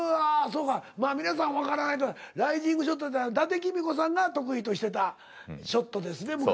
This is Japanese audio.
そうかまあ皆さんわからないけどライジングショットっていったら伊達公子さんが得意としてたショットですね昔。